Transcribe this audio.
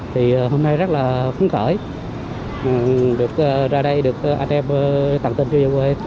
thì hôm nay rất là khứng khởi được ra đây được anh em tặng tin cho vô quê